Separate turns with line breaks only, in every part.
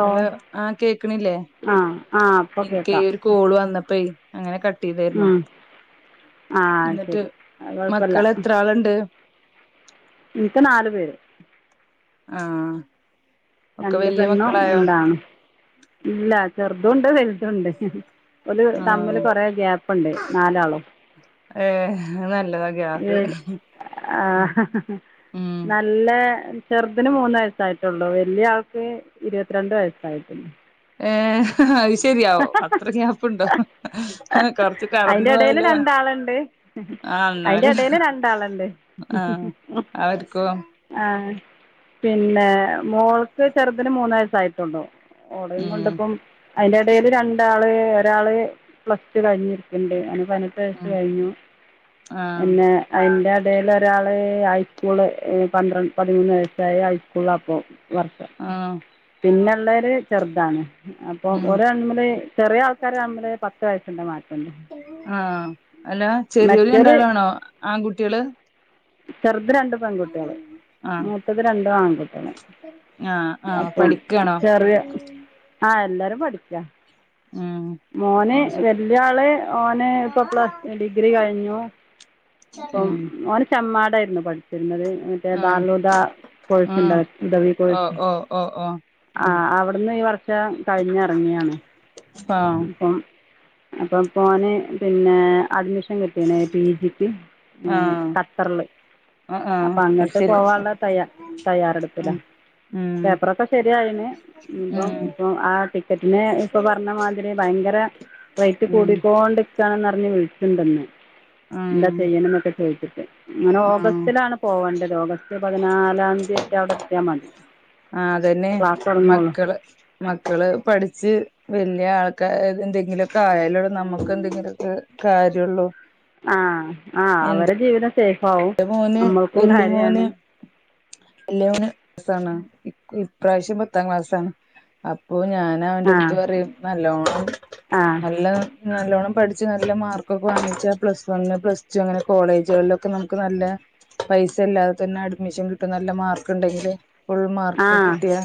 Hello ആ കേക്കണില്ലേ
ആ ആ ഇപ്പോൾ
എനിക്ക്
കേൾക്കാം
ഒരു കോള് വന്നപ്പേ അങ്ങനെ ക ട്ടേതേരുന്നു
ഉം ആ
എന്നിട്ട്
ശരി അത് കുഴപ്പമില്ല
മക്കൾ എത്ര ആളുണ്ട്
എനിക്ക് നാലു പേര്
ആ
രണ്ട് പെണ്ണും രണ്ടാണും ഇല്ല ചെറുത് ഉണ്ട് വലുത് ണ്ട് ഒരു തമ്മില്
ആഹ്
കൊറെ ഗ്യാപ്പുണ്ട് നാലാളും
ഏഹ് നല്ലതാ
ഏ
ഗ്യാപ്പ്
ആ
ഉം
നല്ല ചെറുതിന് മൂന്ന് വയസായിട്ടുള്ളു വലിയ ആൾക്ക് ഇരുപത്തിരണ്ട് വയസ്സായിട്ട
ഏ അത് ശരിയാവോ അത്ര ഗ്യാപ്പുണ്ടോ കൊറച്ച്
അതിൻ്റെ
കടന്ന്
ഇടയിൽ
പോയല്ലോ
രണ്ടാളുണ്ട്
ആ
അതിൻ്റെ
എന്നല്
ഇടയിൽ രണ്ടാളുണ്ട്
ആ ആർക്കും
ആ പിന്നെ മോൾക്ക് ചെറുതിന് മൂന്ന് വയസ്സ് ആയിട്ടുള്ളു ഓളയും
ഉം
കൊണ്ടപ്പം അതിന്റെ എടേൽ രണ്ടാള് ഒരാള് പ്ലസ് ടു കഴിഞ് ണ്ട് അവന് പതിനെട്ടു വയസ്സ്
ഉം
കഴിഞ്ഞു
ആഹ്
പിന്നെ അതിന്റെ ഇടേല് ഒരാള് ഹൈസ്കൂള് പന്ത്ര പതിമൂന്ന് വയസ്സായി ഹൈസ്കൂളിലാ ഇപ്പം വർഷം
ആഹ്
പിന്നെള്ളര് ചെറുതാണ് അപ്പൊ
ഉം
ഒ അണ്മ്മില് ചെറിയ ആൾക്കാർ തമ്മില് പത്ത് വയസ്സണ്ട മാറ്റി
ആ അല്ല ചെറിയൊരു
മറ്റേത്
രണ്ടാളാണോ ആൺകുട്ടികള്
ചെറുത് രണ്ട് പെൺകുട്ടികള്
ആഹ്
മൂത്തത് രണ്ട് ആൺകുട്ടികള്
ആഹ് ആഹ്
അപ്പം
പഠിക്കാണോ
ചെറിയ ആ എല്ലാരും പഠിക്കാം
ആ
മോന് വല്യ ആള് ഓന് ഇപ്പൊ പ്ലസ്ടു ഡിഗ്രി കഴിഞ്ഞു ഇപ്പം ഓന് ചമ്മാടായിരുന്നു പഠിച്ചിരുന്നത് മറ്റേ
ആഹ്
ദാലോതാ
ഉം
കോഴ്സുണ്ടാ ഉദവി
ഓ
കോഴ്സ്
ഓ ഓ ഓ
ആ
ഉം
അവിടുന്ന് ഈ വർഷം കഴിഞ് ഇറങ്ങിയാണ്
ആഹ്
അപ്പം അപ്പൊ ഇപ്പൊ ഓന് പിന്നെ അഡ്മിഷൻ കിട്ടിയാണ് പി ജിക്ക്
ആഹ് ആഹ് ആഹ്
അപ്പൊ
അത്
അങ്ങട്ട്
ശരി
പോവാനുള്ള തയ്യ തയ്യാറെടുപ്പില്ല
ഉം ഉം
പേപ്പറൊക്കെ ശെരിയായിന് ഇപ്പ
ഉം
ഇപ്പൊ ആ ടിക്കറ്റിിനന് ഇപ്പൊ പറഞ്ഞമാതിരിയ ഭയങ്കര റേറ്റ്
ഉം
കൂടിക്കൊണ്ടിരിക്കാണ് ഞ് വിിച്ചണ്ടന്ന് എന്താ
ഉം
ചെയ്യണൊക്കെ ചോദിച്ചിട്ട് അങ്ങനെ
ആഹ്
ഓഗസ്റ്റിലാണ് പോവേണ്ടത് ഓഗസ്റ്റ് പതിനാലാം തീയതിയട്ട് അവിടെ എത്തിയാ മതി
ആ അതന്നെ
ക്ലാസ് തുടങ്ങുള്ളൂ
മക്കള് മക്കള് പഠിച്ച് വ ആൾക്കാർ എന്തെങ്കിലുമൊക്കെ ആയാലോട നമുക്ക് എന്തെങ്കിലുമൊക്കെ കാര്യമള്ളൂ
ആഹ ആഹ അവരു ജീവിതം സേഫ് ആാവവും നമ്മൾക്കും കാര്യാണ്
എല്ല ക്ലാാണ് ഇപ്രാവശ്യം പത്താം ക്ലാസ്ാണ് അപ്പൊ ഞൻ അവന്റെ
ആ
അടുത്ത് പറയും നല്ലോണം
ആ
നല്ല നല്ലോണ്ണം പഠിച്ച് നല്ല മാർക്കൊക്കെ വാങ്ങിച്ചാൽ പ്ലസ് വണ് പ്ലസ് ടു അങ്ങനെ കോളേജുകളിലൊക്കെ നമ നല്ല പൈസ അല്ലാതെ തന്നെ അഡ്മിഷൻ കിട്ടും നല്ല മാർക്ക് ഉണ്ടെങ്കിൽ ഫുൾ മാർക്ക്
ആ
ഒക്കെ കിട്ടിയാ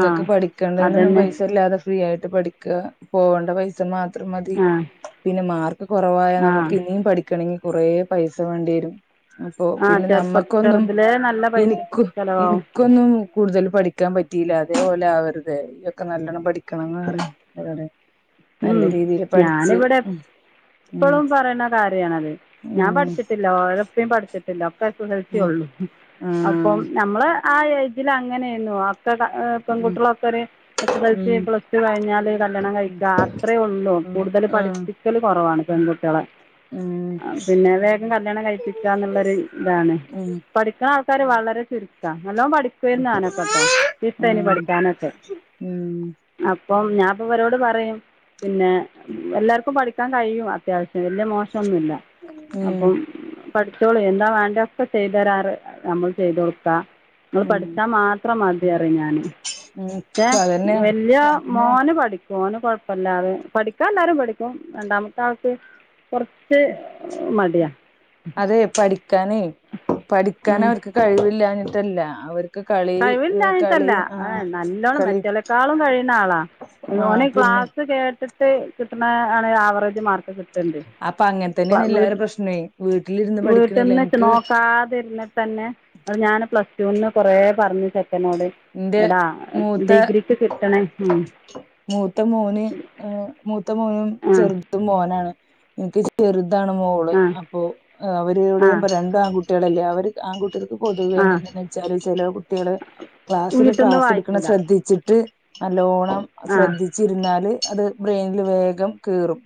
ആ
പഠിക്കേണ്ടൊന്നും
അതുതന്നെ
പൈസ ഇല്ലാതെ ഫ്രീ ആയിട്ട് ഠിക്ക പോകേണ്ട പൈസ മാത്രം അത്ര മതി
ആ
പിന്നെ മാർക്ക് കുറവായ
ആ
നമുക്ക് ഇനിയും പഠിക്കണമെങ്കിൽ കുറേ പൈസ വേണ്ടി വരും അപ്പൊ
ആ
പിന്നെ
ചെറുപ്പം
നമ്മക്കൊന്നും
ചെറുതിലേ നല്ല പൈസ
എനക്ക്
ചിലവാകും
എനിക്കൊന്നും കൂടുതൽ പഠിക്കാൻ പറ്റില്ല അതേപോലെ ആവരുതേ ഇതൊക്കെ നല്ലണം പഠിക്കണംന്ന് പറ അവരോടെ നല്ല രീതിയില് പഠിച്ച് ഉം
ഇപ്പോഴും പറയുന്ന കാര്യണത് ഞാൻ
ഉം
പഠിച്ചിട്ടില്ല രപ്പും പഠിച്ചിട്ടില്ല
ഉം
ഒക്കെഹത്തിള്ളൂ
ഉം
അപ്പം
ആഹ്
നമ്മള് ആ ഏജിൽ അങ്ങനെ
ഉം
പെൺകുട്ടികളൊക്കെ എ കഴച്ച്
ഉം
പ്ലസ് ടു കഴിഞ്ഞാല് കല്യാണം കഴിക്കും
ഉം
അത്രയേ ഉള്ളൂ
ഉം
കൂടുതൽ
ആഹ്
പഠിപ്പിക്കല് കുറവാണ് പെൺകുട്ടികളെ
ഉം
ആ പിന്നെ വേഗം കല്യാണം കഴിപ്പിക്കാന്നുള്ളൊരു ഇതാണ്
ഉം
പഠിക്കുന്ന വളരെ ചുരുക്ക നല്ലോ പഠിക്കുവുന്നാനൊക്കെ കേട്ടോ ഇത്തനി
ഉം
പഠിക്കാനൊക്കെ
ഉം
അപ്പം ഞാൻപ്പ അവരോട് പറയും പിന്നെ എല്ലാവർക്കും പഠിക്കാൻ കഴിയും അത്യാവശ്യം പെ വലിയ മോശമൊന്നുമില്ല
ഉം
അപ്പം പഠിച്ചോളൂ എന്താ വേണ്ട ഒക്കെ ചെയ്ത് തരാറ് നമ്മൾ ചെയ്ത കൊടുക്കാ നിങ്ങൾ
ഉം
പഠിച്ചാ മാത്രം മതിയറി ഞാന്
ഉം
പക്ഷേ
അതന്നെ
വല്ിയ മോന് പഠിക്കും ോന് കൊഴപ്പമല്ലാതെ പഠിക്കാ എല്ലാരും പഠിക്കും രണ്ടാമത്തെ ആൾക്ക് കുറച്ച് മടിയാ
അതെ പഠിക്കാനേ പഠിക്കാൻ അവർക്ക് കഴിവില്ലഞ്ഞിട്ടല്ല അവർക്ക് കളി കളി
കഴിവില്ലഞ്ഞട്ടല്ല
ആ
ഏ നല്ലോണം
കളി
മറ്റേിലക്കാളും കഴിയുന്ന ആളാ
ആ
ഓന
പിന്നെ
ക്ലാസ് കേട്ടിട്ട് കിട്ടണ ആണ് ആവറേജ് മാർക്ക് കിട്ട
അപ്പൊ അങ്ങനെ തന്നെയാണ് എല്ലാരും പ്രശ്നേ വീട്ടിലിരുന്ന് പഠിക്കണില്ല
വീട്ടിൽന്ന് വ
എനിക്ക്
നോക്കാതിരുന്നന്ന ഞാൻ പ്ലസ് ടുന്ന് കുറെ പറഞ്ഞു നോട്
എന്റെ
എടാ
മൂത്ത
ഡിഗ്രിക്ക് കിട്ടണേ ഉ
മൂത്ത മോന് മൂത്ത മോനും
ആ
ചെറുതും മോനാണ് എനിക്ക് ചെറുതാണ് മോള് അപ്പൊ അവരോട്
ആ ആ
രണ്ടും ആൺകുട്ടികളല്ലേ അവര് ആൺകുട്ടിക പൊതുവ
ആ
എങ്ങനാന്ന് വെച്ചാല് ചില കുട്ടികളള് ക്ലാസിൽ
വീട്ടിൽ നിന്ന്
ക്ലസ് എടുക്കണം
വായിക്കില്ല
ശ്രദ്ധിച്ചിട്ട് നല്ലോണം
ആ
ശ്രദ്ധിച്ചിരുന്നാല് അത് ബ്രെയിനിില് വേഗം കേറും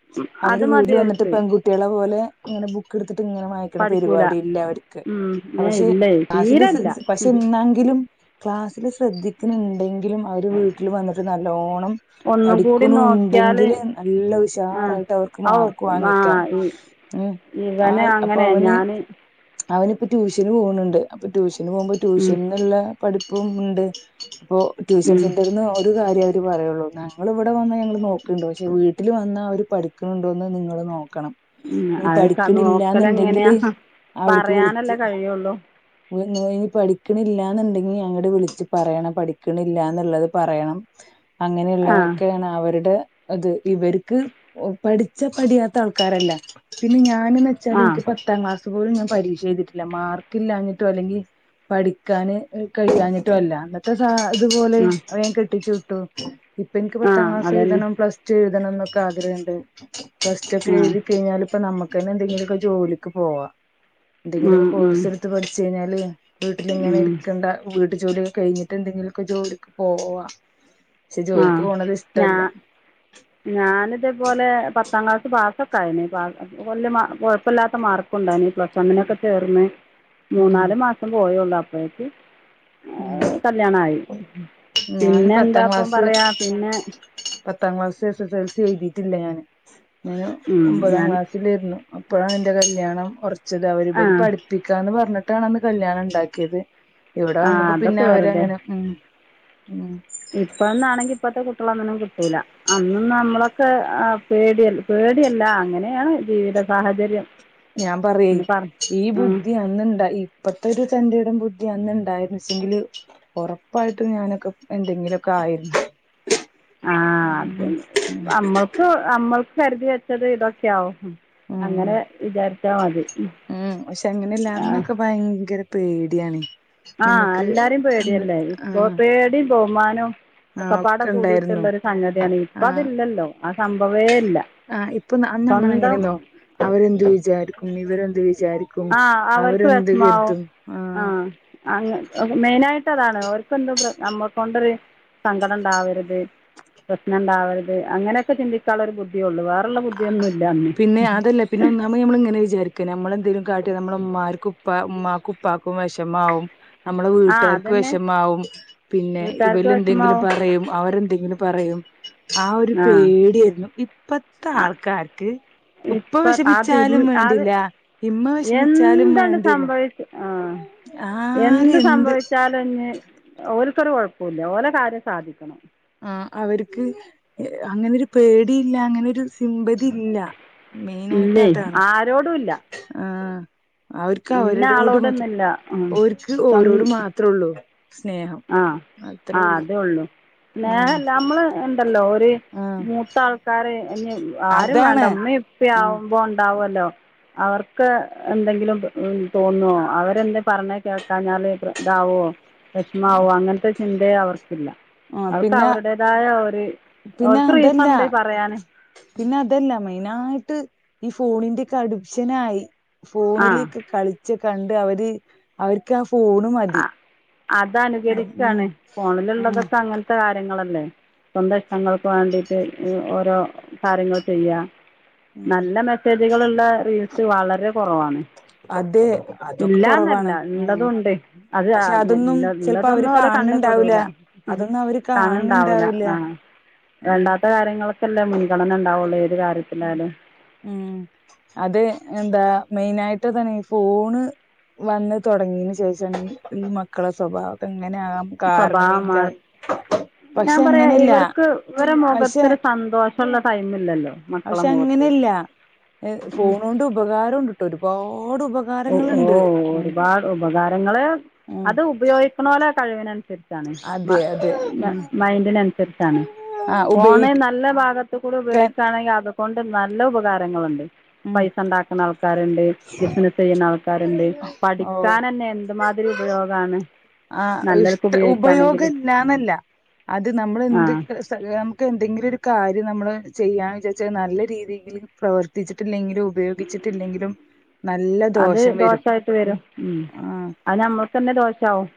അവര്
അത് മതി
വീട്ടില് വന്നിട്ട്
അവർക്ക്
പെൺകുട്ടികളെ പോലെ ഇങ്ങനെ ബുക്ക് എടുത്തി് ഇങ്ങനെ വായിക്കണ
പഠിക്കില്ല
പരിപാടി ഇല്ല അവർക്ക് പക്ഷെ
ഇല്ലേ
ക്ലാസിൽ
തീരെ
പക്ഷെ
ഇല്ല
എന്നെങ്കിലും ക്ലാസ്സിില് ശ്രദ്ധിക്കണണ്ടെങ്കിലും അവര് വീട്ടിൽ വന്നിട്ട് നല്ലോണം
ഒന്നും കൂടി
പഠിക്കണ
നോക്കിയാൽ
ഉണ്ടെങ്കില് നല്ല ഉഷാറായിട്ട് അവർക്ക്
ആ ഓ
മാർക്ക്
ആ
വാങ്ങിക്കാം ഉഏ ആ
ഇവന്
അപ്പൊ
അങ്ങനെ
അവന്
ഞാൻ
അവനി ഇപ്പ ട്യൂഷന് പോകണണ്ട് അപ്പൊ ട്യൂഷന് പോകുമ്പോ ട്യൂഷൻുള്ള പഠിപ്പും ഉണ്ട് ഇപ്പോൊ ട്യൂഷൻ സെന്ററിന്ന് ഒരു കാര്യം അവര് പറയുള്ളൂ ഞങ്ങൾ ഇവിടെ വന്നാൽ ഞങ്ങള് നോക്കയിുണ്ട് പക്ഷെ വീട്ട വാട്ടിൽ വന്ന അവർ പഠിക്കുന്നുണ്ടോ എന്ന് നിങ്ങൾ നോക്കാം ക്കണം നീ
അത്
പഠിക്കണില്ലന്നുണ്ടെങ്കില്
നോക്കലെങ്ങനെയാണ്
അവിടക്ക് വിളിച്ച്
പറയാനല്ലേ കഴിയുള്ളൂ
ഇനി പഠിക്കണില്ലന്നണ്ടങ്ക നീ അങ്ങട് വിളിച്ച് പറയണം പഠിക്കണില്ല എന്നുള്ളത് പറയണം
ആ
അങ്ങനെയുള്ളതൊക്കെയാണ് അവരുടെ അത് ഇവർക്ക് പഠിച്ചാ പഠിയാത്ത ആൾക്കാരല്ല പിന്നെ ഞാൻ വെച്ചാ
ആ
എനിക്ക് പത്താം ക്ലാസ്സ്‌ പോയും ഞാൻ പരീക്ഷ എഴുതിട്ടില്ല മാർക്ക് ഇല്ലാഞ്ഞിട്ടോ അല്ലെങ്കിൽ പഠിക്കാാന് കഴിയാഞ്ഞിട്ടും അല്ല അന്നത്തെ സ ഇതുപോലെ
ആ
വേ കെട്ടിച്ചു വിട്ടു. പെൻക്
ആ
പത്താം ക്ലാസ്
അതുതന്നെ
എഴുതണം, പ്ലസ് ടു എഴുതണം എന്നൊക്കെ ആഗ്രഹണ്ട് പ്ലസ്ടുക്കെ
ആ
എഴുതി കഴിഞ്ഞാൽ ഇപ്പ നമുക്ക് തന്നെ എന്തെങ്കിലുമൊക്കെ ജോലിക്ക് പോവാം.
ഉം
എന്തെങ്കിലുമൊക്കെ
ഉം
കോഴ്സ് എടുത്ത് പഠിച്ചു കഴിഞ്ഞാല് വീട്ടിൽ ഇങ്ങനെ
ഉം
വീട്ടു ജോലിയൊക്കെ കഴിഞ്ഞിട്ട് എന്തെങ്കിലുമൊക്കെ ജോലിക്ക് പോവാ പക്ഷെ
ആഹ
ജോലിക്ക് പോണത്
ഞ
ഇഷ്ടല്ല
ഞാനിതേപോലെ പത്താക്ലാസ് പാസ്സ ഒക്കെ ആയന് കുഴപ്പമില്ലാത്ത മാർക്ക ഉണ്ടായിന് പ്ലസ് വൺ നോക്കെ ചേർന്ന്
ഉം
മൂന്നാല് മാസം പോയള്ളു അപ്പോഴേക്ക്
ഉം
കല്യാണയി
ഞാന്
പിന്നെ എന്താ
പത്താം
ഇപ്പം
ക്ലാസ്
പറയുക പിന്നെ
പത്താം class S S L C എഴുതിയിട്ടില്ല ഞാന് ഞൻ
ഉം
ഒമ്പതാം
ഞാൻ
ക്ലാസ്സിലായിരുന്നു അപ്പോഴാണ് എന്റെ കല്യാണം. ച്ചത്
ആ
ഇവിര് പഠിപ്പിക്കാന്ന് പറഞ്ഞിട്ടാണ് അന്ന് കല്യാണം ഉണ്ടാക്കിയത് ഇവിടെ
ആ
വന്ന അപ്പ പിന്നെ
അതൊക്കെ
അവരങ്ങനെ ഉ ഉ
ഇപ്പന്നാണെങ്കി ഇപ്പത്തെ കുട്ടികളഅങ്ങനൊന്നും കിട്ടൂല അന്നന്നു നമ്മളൊക്കെ ആ പേടിയ പേ പേടിയല്ല അങ്ങനെയാണ് ജീവിത സാഹചര്യം.
ഞാൻ പറയാ
എന്ന് പറ
ഈ
ഉം
ബുദ്ധി അന്നണ്ട ഇപ്പത്തെ ഒരു തന്റെടം ബുദ്ധി അന്ന ഇണ്ടായിരുന്നുച്ചെങ്കില് ഉറപ്പായിട്ട് ഞാനൊക്കെ എന്തെങ്കിലുമൊക്കെ ആയിരുന്നു.
ആഹ അത്
ഉം
അമ്മൾക്ക് അമ്മൾക്ക് കരുതി വെച്ചത് ഇതൊക്കെയവും
ഉം
അങ്ങനെ വിചാരിച്ചാ മതി
ഉം
ആ
പേടിയണേ
ആഹ എല്ലാരും പേടിയല്ലേ ഇപ്പൊ
ആഹ്
ബഹുമാനൊന്നും
ആഹ്
ഒക്കപ്പാട
ഒക്കെ ഉണ്ടായിരുന്നു
കൂടിയിട്ടുള്ളൊ ഒരു സംഗതിയാണ് ഇപ്പൊ അതില്ലല്ലോ ആ സംഭവേ ഇല്ല.
ആ ഇപ്പൊ അന്നമ്മള
സ്വന്തം
എങ്ങനെയെന്നോ അവരെന്ത് വിച ആരിക്കും ഇവരെ
ആ അവർക്ക് വിഷമാവും
കരുതും ആഹ്
ആ മെയിനായിട്ട് താണ് അവർക്ക് എന്ത നമ്മക്ക കൊണ്ടരു സങ്കടം ഉണ്ടാവരുത് പ്രശ്നം ഉണ്ടാവരുത് അങ്ങനെയൊക്കെ ചിന്തിക്കുള്ള ഒരു ബുദ്ധിയള്ളു വേറെ
ആ പിന്നെ അതല്ല പിന്നെ [unintelligible] നമ്മൾ ഇങ്ങനെ ചേർക്ക നമ്മളെന്തെങ്കിലും കാട്ടിയ നമ്മള ഉമമാർക്ക് ഉപ്പ ഉമമാക്ക് ഉപ്പാക്കും വിഷമാവും നമ്മളെ
ആ
വീട്ടുകാർക്ക്
അതന്നെ
വിഷമാവും പിന്നെ
വീട്ടുകാർക്ക്
ഇവല എന്തെങ്കിലും
വിഷമാവും
പറയും അവരെന്തെങ്കിലും പറയും ആ ഒരു പേടായിരുന്നു ഇപ്പത്തെ ആൾക്കാർക്ക് ഉപ്പ
ഇപ്പ അതി
വിഷമിച്ചാലും
അത്
വേണ്ടില്ല ഇമ്മ വിഷമിച്ചാലും
എന്താണ്
വേണ്ടില്ല
സംഭവിച്ചു ആഹ എന്ത് സംഭവിച്ചാലുംഞ് ഓക്കരു കൊഴപ്പമില്ല ഓലെ കാര്യം സാധിക്കണം
ആ അവര്ക്ക് അങ്ങനെരു പേടിയില്ല അങ്ങനെരു സിമ്പതി ഇല്ല മെയിനായിട്ട്
ഇല്ലേ
അതാണ്
ആരോടും ഇല്ല
ആ അവർക്ക്
പിന്ന
അവരോട് മാത്രം
ആളോടൊന്നുംില്ല ഉ
ഓര്ക്ക്
സം
ഓരോട് മാത്രേ ഉള്ളൂ സ്നേഹം
ആഹ ആ
അത്രേ ഉള്ളൂ
അത ഉള്ളു
ഉം
നേല്ല നമ്മള് ഉണ്ടല്ലോ ഒരു
ആഹ്
മൂത്ത ആൾക്കാര് ഇനി ആരും വേണ്ട
അതാണ്
ഉമ്മ ഇപ്പ
ആഹ്
ആവുമ്പോ ഉണ്ടാവല്ലോ അവർക്ക് എന്തെങ്കിലും തോന്നോ അവരെന്ത് പറഞ്ഞാ കേൾക്കാഞ്ഞാല് ഇതാവോ രഷമാവോ അങ്ങനത്തെ ചിന്ത അവർക്കില്ല
ആഹ്
അവർക്ക്
പിന്നെ
അവരുടേതായ ഒരുര്
പിന്നെ
അവർക്ക് റീസൺ
അതല്ല
ഉണ്ട് പറയാനാന്
പിന്നെ അതല്ല മെയിനായിട്ട് ഈ ഫോണിന്റെ കടു്ശനായി
ആ
ഫോണിലൊക്കെ കളിച്ച കണ്ട് അവര് അവർക്ക് ആ പൂണ് മതി
അത്
ഉം
അനുകരിച്ചാണ്
ഉം
ഫോണിലുള്ളതൊക്കെ അങ്ങനത്തെ കാര്യങ്ങളല്ലേ സ്വന്തം ഇഷ്ടങ്ങൾക്ക് വേണ്ടിട്ട് ഓരോ കാര്യങ്ങൾ ചെയ്യാ
ഉം
നല്ല മെസ്സേജുകളുള്ള റീൽസ് വളരെ കുറവാണ്
അതെ അതൊക്കെ
ഇല്ലാന്നല്ല
കൊറവാണ് ഉം
ഉള്ളതും ഉണ്ട് അത
പക്ഷെ അതൊന്നും
നല്ല
ചെലപ്പോ അവര്
നല്ലതൊന്നും ഓലെ
കാണ് ണ്
കണ്ണിൽ
ണ്ടാവൂല
പെടൂല ആ
അതൊന്നും അവര് കാണ് ണ്
കാണലുണ്ടാവൂല
ണ്ടാവൂല
ആ
ഉം
വേണ്ടാത്ത കാര്യങ്ങൾക്കല്ലേ മുൻഗണന ഉണ്ടാവുള്ളൂ ഏത് കാര്യത്തിലായാലും
ഉം അതെ എന്താ മെയിൻ ആയിട്ട് തന്നെ ഈ ഫോണ് വന്ന് തുടങ്ങിയന് ശേഷം ഈ മക്കളെ സ്വഭാവ അങ്ങനെയാകാൻ കാരണം
സ്വഭാവം
എനിക്ക
മാറി ഞാൻ പറയാ ഇവർക്ക് ഇവരുടെ
പക്ഷെ
മുഖത്തൊരു സന്തോഷമുള്ള ടൈമ ഇല്ലല്ലോ
പക്ഷെ അങ്ങനെയല്ല
ഉം
ഫോൺ കൊണ്ട് ഉപകാരമുണ്ട് കട്ടോ ഒരുപ-
ഓ ഒരുപാട് ഉപകാരങ്ങള്
ഉം
അത് ഉപയോഗിക്കണോലെ കഴിവിനനുസരിച്ച്
അതെ അതെ ഉം
മൈന്ഡിനനുസരിച്ചാണ്
ആ
ഫോൺ
ഉപയോഗിക്കാൻ
നല്ല ഭാഗത്ത് കൂടെ ഉപയോഗിക്കുകയാണെങ്കിൽ അതൊക്കെ കൊണ്ട് നല്ല ഉപകാരങ്ങളുണ്ട്
ഉം
പൈസ ഉണ്ടാക്കുന്ന ആൾക്കാരുണ്ട് അങ്ങനെ ചെയ്യുന്ന ആൾക്കാരുണ്ട്
ഓ
പഠിക്കാൻ തന്നെ എന്ത്മാതിരി ഉപയോഗമാണ്
ആ
നല്ലവർക്ക്
ഇഷ്ട
ഉപയോഗിക്കുകയാണെങ്കിൽ
ഉപയോഗം ഇല്ലാന്നല്ല അത് നമ്മളെന്ത്
ആ
നമുക്ക് എന്തെങ്കിലും ഒരു കാര്യം നമ്മള് ചെയ്യാന്ന് വച്ചാ നല്ല രീതിയിൽ പ്രവർത്തിച്ചിട്ടില്ലെങ്കിലും ഉപയോഗിച്ചിട്ടില്ലെങ്കിലും നല്ല
അത്
ദോഷം വരും
ദോഷായിട്ട് വരും ഉം
ആ
അത് നമ്മൾക്ക് തന്നെ ദോഷാവും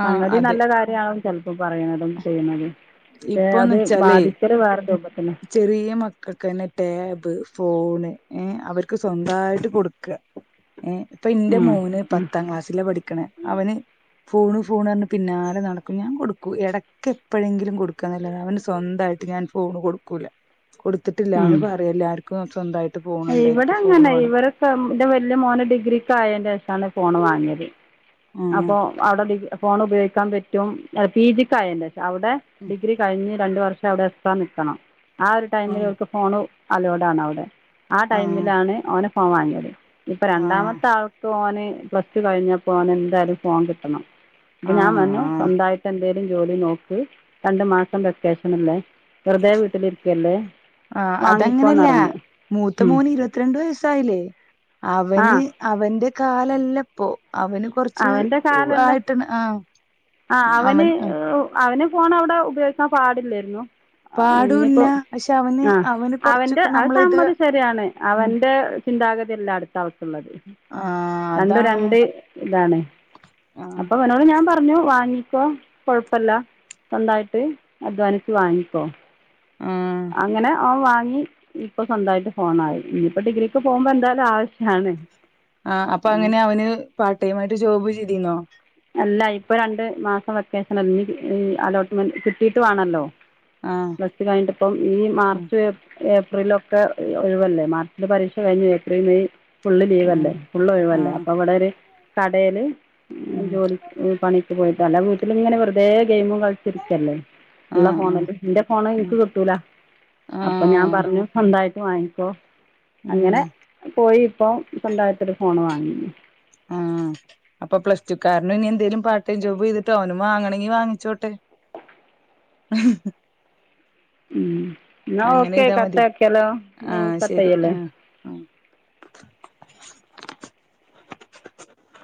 ആ
സംഗതി
അതെ
നല്ല കാര്യമാണ് ഇപ്പൊ പറയുന്നതും ചെയ്യണതും അത്
ഇപ്പൊന്ന് വെച്ചാലേ
ബാധിക്കൽ വേറെപ
ചെറിയ മക്കൾക്ക് തന്നെ ടാബ് ഫോണ് ഏ അവർക്ക് സ്വന്തമായിട്ട് കൊടുക്കുക ഏ ഇപ്പൊ എന്റെ
ഉം
മോന്
ഉം
പത്താം ക്ലാസ്സില് പഠിക്കണ അവന് ഫോണ് ഫോൺ പറഞ്ഞു പിന്നാലെ നടക്കും ഞാൻ കൊടുക്കും ഇടക്ക് എപ്പോഴെങ്കിലും കൊടുക്കുകന്നല്ലാതെ അവന് സ്വന്ത ട്ട് ഞാൻ ഫോൺ കൊടുക്കുല കൊടുത്തിട്ടില്ല
ഉം
അവ പറയും എല്ലർക്കും സ്വന്തമായിട്ട
ഇവിടെ അങ്ങനെ ഇവടെക്കെ എന്റെ വലിയ മോന ഡിഗ്രിക്ക് ആയന്റെേഷാണ് ഫോണ് വാങ്ങിയത്
ആഹ്
അപ്പോ അവിടെ ഫോൺ ഉപയോഗിക്കാൻ പറ്റും പി ജിക്ക് അയേറ്റശേഷം അവിടെ ഡിഗ്രി കഴിഞ്ഞ രണ്ടു വർഷം അവിടെ എക്സ്ട്രാ നിക്കണം ആ ഒരു ടൈമിൽ
ആഹ്
അവർക്ക് ഫോൺ അലോഡ് ആണ് അവിടെ ആ
ആഹ്
ടൈമിലാണ് ഓന് ഫോൺ വാങ്ങിയത് ഇപ്പൊ
ആഹ്
രണ്ടാമത്തെ ആൾക്കും ഓന് പ്ലസ് ടു കഴിഞ്ഞപ്പോ അവന് എന്തായാലും ഫോൺ കിട്ടണം അപ്പൊ ഞാൻ
ആഹ്
പറഞ്ഞു
ആഹ്
സ്വന്തമായിട്ട് എന്തേലും ജോലി നോക്ക് രണ്ടു മാസം വെക്കേഷനല്ലേ വെറുതെ വീട്ടിലിരിക്കല്ലേ വാങ്ങിക്കോന്ന് പറഞ്ഞ്
മുത്തമോന് ഇരുപത്തിരണ്ട് വയസ്സായില്ലേ
ആ
അവന് അവന്റെ കാലല്ലപ്പോ അവന് കൊറച്ച്
അവൻ്റെ കാലമല്ല
ആയിട്ടണ് ആ
ആ അവന്
അവൻ ആ
അവന് ഫോൺ അവിടെ ഉപയോഗിക്കാൻ പാടില്ലായിരുന്നു
പാടൂല്ല
ഇനിയിപ്പോ
പക്ഷെ അവന്
ആ
അവന്
അവന്റെ
കൊറച്ചൊക്കെ
അത്
നമ്മളിത്
സമ്മതി ശരിയാണ്
ഉം
അവന്റ ചിന്താഗതിയല്ല അടുത്ത ആൾക്കുള്ളത്
ആ
രണ്ട
അതാണ്
രണ്ട് ഇതാണ്
ആ
അപ്പൊ അവനോട് ഞാൻ പറഞ്ഞ പറഞ്ഞു വാങ്ങിക്കോ കൊഴപ്പല്ല സ്വന്തായിട്ട് അധ്വാനിച്ച് വാങ്ങിക്കോ
ആ
അങ്ങനെ അവൻ വാങ്ങി ഇപ്പൊ സ്വന്തമായിട്ട് ഫോണായി ഇനിയിപ്പോ ഡിഗ്രിക്ക് പോകുമ്പോ എന്തായാലും ആവശ്യ- ആണ്
ആ അപ്പൊ അങ്ങനെ അവന് പാർട്ട് ടൈം ആയിട്ട് ജോബ് ചെയ്തിരുന്നോ
അല്ല ഇപ്പൊ രണ്ട് മാസം വെക്കേഷൻ അല്ല ഇനി അലോട്ട്മെന്റ് കിട്ടീയിട്ട് വേണല്ലോ
ആ
പ്ലസ്സ് റ്റു കഴിഞ്ഞട്ട് ഇപ്പം ഈ
ഉം
മാർച്ച്ഏ ഏപ്രിൽ ഏപ്രിലൊക്കെ ഒഴിവല്ലേ മാർച്ചില് പരീക്ഷ കഴിഞ്ഞു ഏപ്രിൽ മെയ് ഫുള്ള്
ഉം
ലീവല്ലേ ഫള്ള്
ആ
ഒഴിവല്ലേ അപ്പൊ ഇവിടെ ഒരു കടയില്
ഉം
ജോലി പണിക്ക് പോയിട്ട അല്ല വീട്ടിലും ഇങ്ങനെ വെറതേ ഗെയിമ കളിച്ചിരിക്കല്ലേ
ആ
ഉള്ള ഫോണ
ആ
നിന്റെ ഫോണ്
ഉം
നിനിക്ക് കിട്ടൂല
ആ
അപ്പൊ ഞാൻ പറഞ്ഞു സന്തായി വാങ്ങിക്കോ
ഉം
അങ്ങനെ പോയി ഇപ്പോൊ സ്വണ്ടായത്തൊരു ഫോണ് വാങ്ങിു
ആ അപ്പൊ പ്ലസ ടു കാരണം ഇനി എന്തേലും പാർട്ട് ടൈം ജോബ് ചെയ്തിട്ടോ അവനും വാങ്ങണമെങ്കി വാങ്ങിച്ചോട്ടെ ആ
ഉ എന്നാ ഓക്കെ
ചെയ്താ മതി
കത്തക്കലോ
ആ ശരി
കത്തയല്ല
ആ ആ [inaudible]